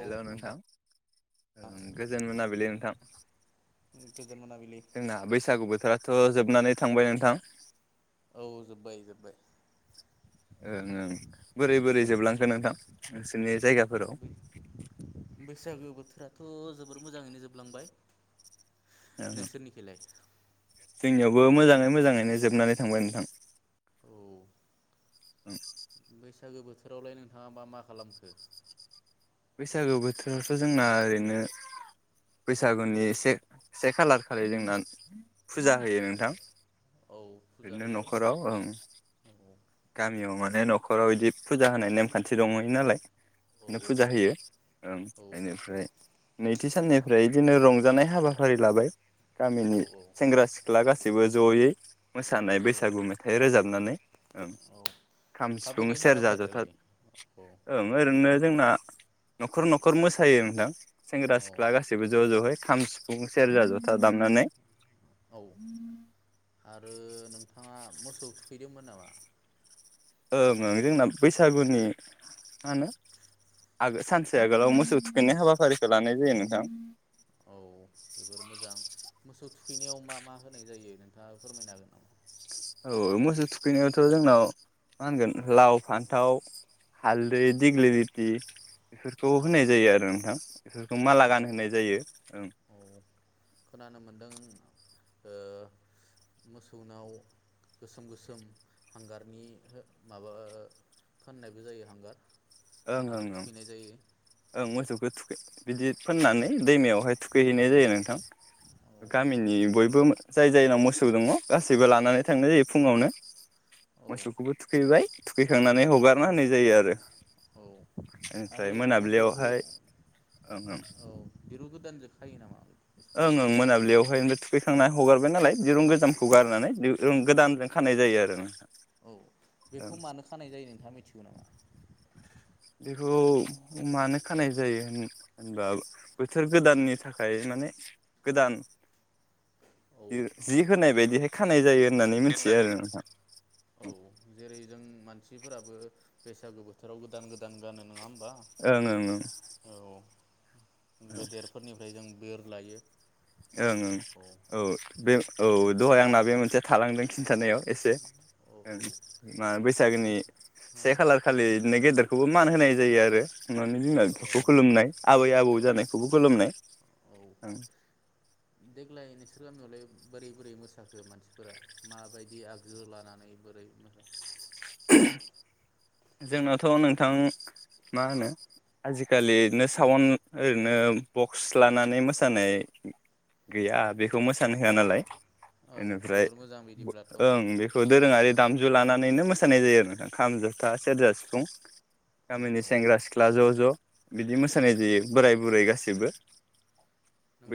हेल' नोंथां गोजोन मोनाबिलि नोंथां गोजोन मोनाबिलि जोंना बैसागु बोथोरा थ' जोबनानै थांबाय नोंथां औ जोबबाय जोबबाय ओं ओं बोरै बोरै जोबलांखो नोंथां नोंसिनि जायगाखौ बैसागो बोथोराथ' जोबोर मोजाङैनो जोबलांबाय ओं नोंसोरनिखैलाय जोंनियावबो मोजाङै मोजाङैनो जोबनानै थांबाय नोंथां। औ उम बैसागो बोथोरावलाय नोंथाङा मा मा खालामखो? बैसागु बोथोरावथ जोंना ओरैनो बैसागुनि एसे से खालार खालि जोंना फुजा होयो नोंथां। औ फुजा ओरैनो होयो न'खराव ओं औ गामियाव मा बे न'खराव इदि फुजा होनाय नेमखान्थि दङै नालाय। औ औ फुजा होयो ओं औ बेनिफ्राय नै थि साननिफ्राय इदिनो रंजानाय हाबाफारि लाबाय। गामिनि औ औ सेंग्रा सिख्ला गासै गासिबो जयै मोसानाय औ बैसागु मेथाइ रोजाबनानै ओं औ खाम सिफुं माबायदि सेरज हाबाफारि जथा लायो औ ओं ओरैनो जोंना न'खर न'खर मोसायो नोंथां सेंग्रा औ सिख्ला गासैबो ज' ज'यै खाम सिफुं सेरजा जथा दामनानै। औ आरो नोंथाङा मोसौ खौ थुखैदोंमोन नामा? ओं ओं जोंना बैसागुनि मा होनो आगो सानसे आगोलाव मोसौ थुखैनाय हाबाफारिखौ लानाय जायो नोंथां। औ जोबोर मोजां मोसौ थुखैनायाव मा मा होनाय जायो नोंथाङा फोरमायनो हागोन नामा? औ मोसौ थुखैनायावथ जोंनाव मा होनगोन लाव फान्थाव हालदै दिग्लि गुथि बेफोरखौ औ होनाय जायो आरो नोंथां इफोरखौ औ माला गानहोनाय जायो ओं। औ खोनानो मोनदों ओ मोसौनाव गोसोम गोसोम हांगारनि माबा फोननायबो जायो हांगार ओं आरो ओं ओं थुखैनाय जायो ओं मोसौ खो थुख बिदि फोननानै दैमायावहाय थुखैहैनाय जायो नोंथां औ गामिनि बयबो जाय जायनाव मोसौ दङ गासैबो लानानै थांनाय जायो फुङावनो। औ मोसौखौबो थुखैबाय औ थुखैखांनानै हगारना होनाय जायो आरो। औ ओमफ्राय आरो मोसौखौ मोनाबिलियावहाय ओं ओं औ दिरु गोदान जों खायो नामा? ओं ओं मोनाबिलियावहाय ओमफ्राय थुखैखांना हगारबाय नालाय दिरुं गोजामखौ गारनानै दिरुं गोदानजों खानाय जायो आरो नोंथां। औ बेखौ मानो खानाय जायो नोंथाङा मिथिगौ नामा? बेखौ मानो खानाय जायो होनबा बोथोर गोदाननि थाखाय माने गोदान औ जि होनाय बायदिहाय खानाय जायो होननानै मिथियो औ जेरै जों मानसि मानसिफोराबो बैसागो बोथोराव गोदान गोदान गानो नङा ओम ओं ओं ओं गेदेरफोरनिफ्राय जों बोर लायो। ओं ओं औ बे औ दहाय आंना बे मोनसे थालांदों खिनथानायाव। एसे औ औ ओं मा नों बैसागोनि औ से खालार खालिनो गेदेर खौबो मान होनाय जायो आरो न'नि औ बिमा-बिफाखौ खुलुमनाय आबै-आबौ औ जानायखौबो खुलुमनाय औ औ ओं। देग्लाय नोंसोर गामियावलाय बोरै बोरै मोसाखो मानसिफोरा माबायदि आगजु लानानै बोरै [unintelligible] जोंनाथ नोंथां मा होनो आजिखालि ओरैनो साउन्ड ओरैनो बक्स लानानै मोसानाय गैया बेखौ मोसानो होआ नालाय। औ बेनिफ्राय जोबोर मोजां बिदिब्लाथ' ओं औ बेखौ दोरोङारि दामजु लानानैनो मोसानाय जायो आरो नोंथां खाम ज था सेरजा सिफुं गामिनि औ सेंग्रा सिख्ला ज' ज' बिदि मोसानाय औ जायो बोराय बुरै गासै सैबो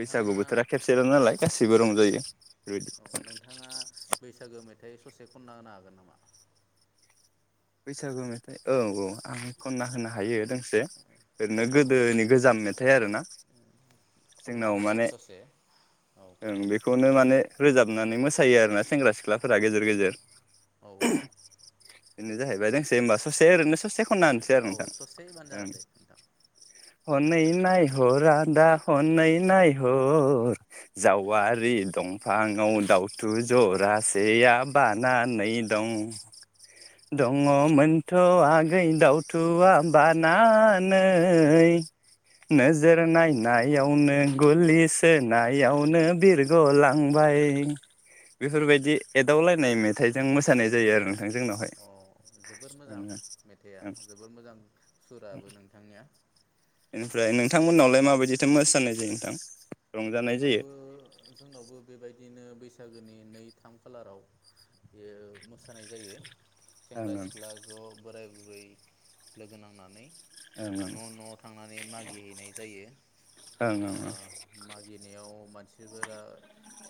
बैसागु बोथोरा खेबसेल' नालाय गासैबो रंजायो बेबायदि। औ नोंथाङा बैसागो मेथाइ ससे खनना होनो हागोन नामा? बैसागु मेथाइ औ औ आं खनना होनो हायो दों से ओरैनो औ गोदोनि गोजाम मेथाइ आरोना खनना जोंनाव होलाय माने ससे औ ओं बेखौनो माने रोजाबनानै मोसायो आरोना सेंग्रा सिख्ला फोरा गेजेर गेजेर। औ बेनो जाहैबाय दोंसे होनबा ससे ओरैनो ससे खनना होनसै आरो औ नोंथां ससे होबानो जागोन दे नोंथां ओं। हनै नायहर आदा हनै नायहर जावारि दंफाङाव दाउथु जरासेया बानानै दं। दङमोनथ' आगै दावथुवा बानानै नोजोर नायनायावनो गलि सोनायावनो बिरग'लांबाय बेफोरबायदि एदावलायनाय मेथाइजों मोसानाय जायो आरो नोंथां जोंनावहाय। अ जोबोर मोजां मेथाइआ ओं जोबोर मोजां सुराबो नोंथांनिया। थो मोसानाय जायो नोंथां। रंजानाय जायो जोंनावबो जोंनावबो बेबायदिनो बै बैसागोनि नै थाम खालाराव बियो मो सानाय जायो ओं सेंग्रा सिख्ला ज' बोराइ बु ब्रै लोगो नांनानै। ओं न' न'आव थांनानै मागिहैनाय जायो ओं ओं ओ मागिनायाव मानसिफोरा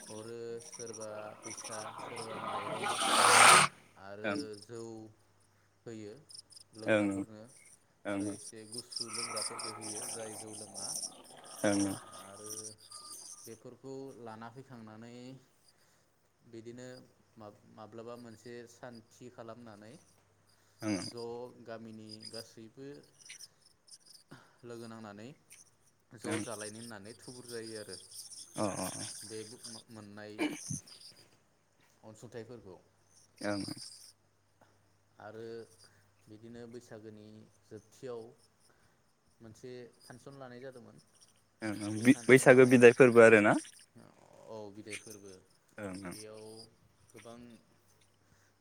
हरो सोरबा फैसा सोरबा माइरं आरो ओं जौ होयो ओं लोंग्राफोरनो ओं आरो एसे गुसु लोंग्राफोरबो होयो जाय जौ लोङा आरो बेफोरखौ लाना फैखांनानै बिदिनो मा-माब्लाबा मोनसे सान थि खालामनानै ओं ओं ज' गा गामिनि गासैबो लोगो नांनानै ज' जालायनो होननानै थुबुर जायो आरो अ बे मोननाय अनसुंथाइफोरखौ ओं [unintelligible] आरो बिदिनो बैसागोनि जोबथियाव मोनसे फानसन लानाय जादोंमोन बे [unintelligible] बैसागो फांसनाव बिदाय फोरबो आरोना औ बिदाय फोरबो ओं ओं बेयाव गोबां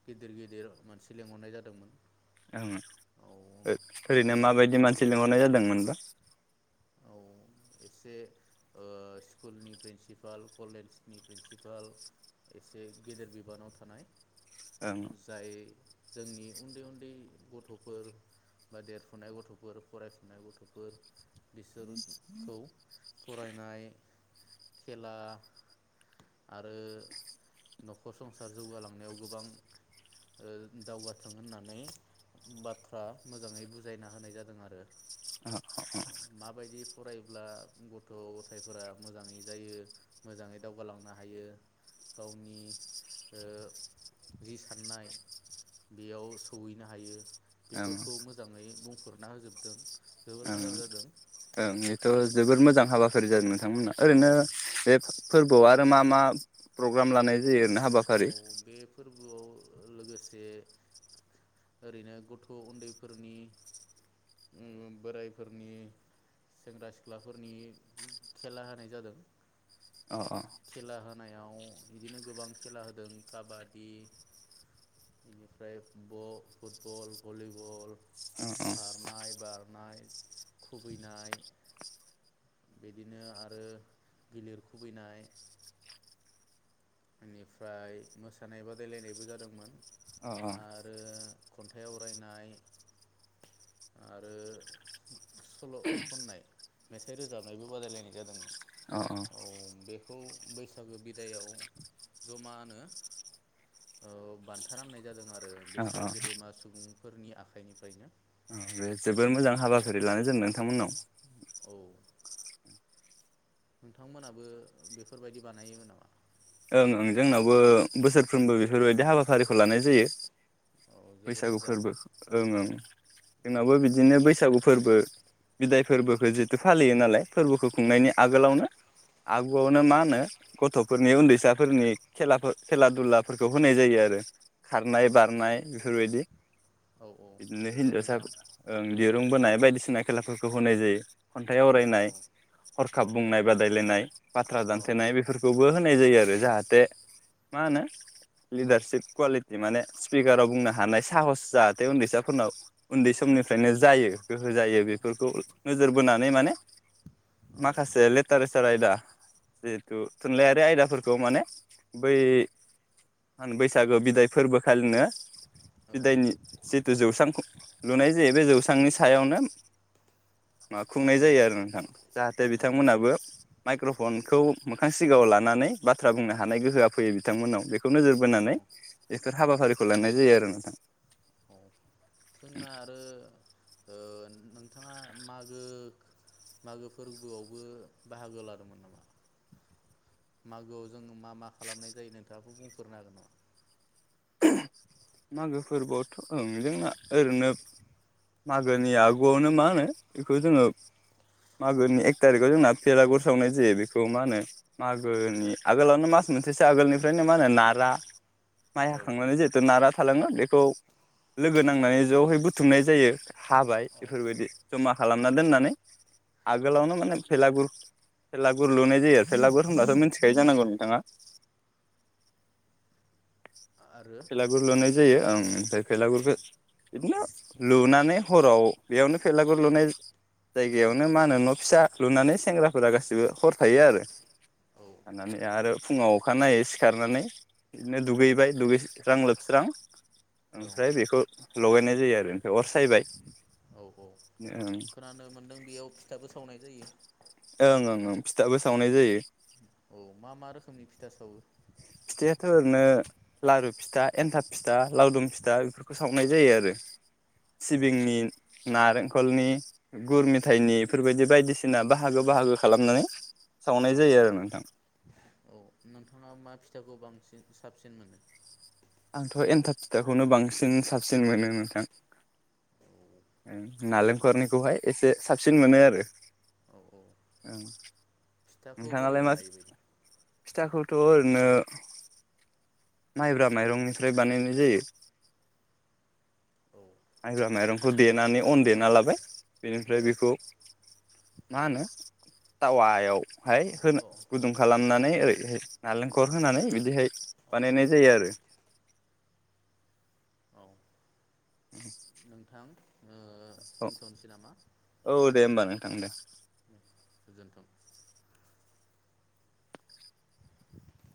गिदिर गिदिर मानसि लेंंहरनाय जादोंमोन ओं औ ओ ओ-ओरैनो माने माबायदि बे मानसि लिंहरनाय जादोंमोनबा औ एसे ओ स्कुलनि प्रिन्सिपाल कलेजनि प्रिन्सिपाल एसे गेदेर बिबानाव थानाय ओं जाय जोंनि उन्दै उन्दै गथ'फोर बा देरफुनाय गथ'फोर फरायफुनाय गथ'फोर बिसोरखौ फरायनाय खेला आरो नखर संसार जौगालांनायाव गोबां ओ दावगाथों होननानै बाथ्रा मोजाङै बुजायना होनाय जादों आरो [unintelligible] माबायदि फरायब्ला गथ' गथायफोरा मोजाङै जायो मोजाङै दावगालांनो हायो गावनि ओ जि साननाय बेयाव सहैनो हायो ओं बेफोरखौ मोजाङै बुंफ फुरना होजोबदों जोबोर ओं मोजां जादों ओं एथ' जोबोर मोजां हाबा फारि जादों नोंथांमोना औ ओरैनो बे फोरबोआव आरो मा मा प्रग्राम लानाय जायो ओरैनो हाबाफारि औ बे फोरबोआव लोगोसे ओरैनो गथ' उन्दैफोरनि उम बोराइफोरनि सेंग्रा सिख्लाफोरनि खेला होनाय जादों अ अ खेला होनायाव बिदिनो गोबां खेला होदों काबादि बेनिफ्राय ब-फुटबल भलिबल अ अ खारनाय बारनाय खुबैनाय बिदिनो आरो गिलिर खुबैनाय बेनिफ्राय मोसानाय बादायलायनायबो जादोंमोन अ आरो खन्थाइ आवरायनाय आरो सल' खननाय मेथाइ रोजाबनायबो बादायलायनाय जादोंमोन अ औ बेखौ बैसागो बिदायाव जमानो ओ बान्था राननाय जादों आरो अ बिसोर गेदेमा सुबुंफोरनि आखाइनिफ्रायनो अ बे जोबोद मोजां हाबाफारि लानाय जेनदों नोंथांमोननाव औ नोंथांमोनाबो बेफोरबायदि बानायोमोन नामा? ओं ओं जोंनावबो बोसोरफ्रोमबो बेफोरबायदि हाबाफारिखौ लानाय जायो। औ जोबोर बैसागु मोजां फोरबो ओं ओं औ जोंनावाबो बिदिनो बैसागु फोरबो बिदाय फोरबोखौ जितु फालियो नालाय फोरबोखौ खुंनायनि आगोलावनो आगुआवनो औ मा होनो गथ'फोरनि उन्दै फिसाफोरनि खेला खेला दुलाफोरखौ होनाय जायो आरो खारनाय बारनाय बेफोरबायदि औ बिदिनो जोबोर हिन्जावसा मोजां ओं दिरुं बोनाय बायदिसिना खेलाफोरखौ होनाय जायो। खन्थाइ औ आवरायनाय औ हरखाब बुंनाय बादायलायनाय बाथ्रा औ दानथेनाय बेफोरखौबो होनाय जायो आरो। मा होनो लिडारषिप कुवालिटि माने स्पिकाराव बुंनो हानाय साहस जाहाथे उन्दैसाफोरनाव उन्दै समनिफ्रायनो जायो गोहो जायो बेफोरखौ नोजोर बोनानै माने। औ माखासे ल [unintelligible] आयदा जिहेथु थुनलाइारि आयदाफोरखौ खौ माने बै मा होनो बैसागो बिदाय फोरबोखालिनो बिदायनि जिथु जौस्रां लुनाय जायो बे जौस्रांनि सायावनो। माबा खुंनाय जायो आरो नोंथां जाहाथे बिथांमोनाबो माइक्र'फनखौ मोखां सिगाङाव लानानै बाथ्रा बुंनो हानाय गोहोआ फैयो बिथांमोनाव बे खौ नोजोर औ औ बोनानै हाबाफारिखौ लानाय जायो आरो नोंथां। औ जोंना आरो ओ नोंथाङा मागो मागो फोरबोआवबो बाहागो लादोंमोन नामा मागोआव जों मा मा खालामनाय जायो नोंथाङाबेखौ बुंफोरो हागोन नामा? मागो फोरबोआवथ' ओं जोंना ओरैनो मागोनि आगुआवनो मा होनो बेखौ जोङो मागोनि एक थारिखआव जोंना बेेरागुर सावनाय जायो बेखौ मा होनो मागोनि आगोलावनो मास मोनसेसो आगोलनिफ्रायनो मा होनो नारा माइ औ हाखांनानै जिहेथु नारा थालाङो बेखौ लोगो नांनानै जहै बुथुमनाय जायो हाबाय औ बेफोरबायदि जमा खालामना दोननानै आगोलावनो माने फेलागुर फेलागुर लुनाय जायो आरो फेलागुर होनबाथ' मिथिखायो जानांगौ औ नोंथाङा। आरो फेला गुर लुनाय जायो ओमफ्राय फैलागुरखौ इदिनो लुनानै हराव बेयावनो फैलागुर लुनाय जायगायावनो मा होनो न' फिसा लुनानै सेंग्राफोरा गाैबो हर थायो आरो औ थानानै आरो फुङाव अखानायै सिखारनानै बिदिनो दुगैबाय दुगैस्रां लोबस्रां औ ओमफ्राय बेखौ लगायनाय जायो आरो ओमफ्राय अर सायबाय औ औ ओं खोनानो मोनदों बेयाव फिथाबो सावनाय जायो। ओं ओं ओं फिथाबो सावनाय जायो। औ मा मा रोखोमनि फिथा सावो? फिथाइाथ' ओरैनो लारु फिथा एन्थाब फिथा लावदुम फिथा बेफोरखौ सावनाय जायो आरो औ सिबिंनि नारेंखलनि गुर मेथायाइनि बेफोरबायदि बायदिसिना बाहागो बाहागो खालामनानै सावनाय औ जायो आरो नोंथां औ नोंथाङा मा फिथाखौ बांसिन साबसिन मोनो आंथ' एन्थाब फिथाखौनो बांसिन साबसिन मोनो नोंथां। औ नालेंखरनिखौहाय एसे साबसिन मोनो आरो औ औ फिथाखौ बोरै नोंथाङालाय मा बानायो बायदि फिथाखौ? ट ओरैनो माइब्रा माइरंनिफ्राय बानायनाय जायो। औ मइग्रा माइरंखौ देनानै अन देना लाबाय औ बेनिफ्राय बेखौ मा होनो थावायावहाय होनो औ गुदुं खालामनानै ओरैह नालेंखर होनानै बिदिहाय औ बानायनाय जायो आरो। औ [unintelligible] नोंथां ओ दोनथ'नोसै नामा? थां दे। गोजोनथों।